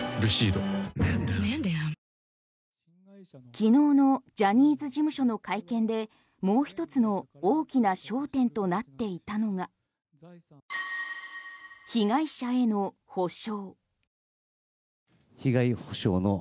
昨日のジャニーズ事務所の会見でもう一つの大きな焦点となっていたのが被害者への補償。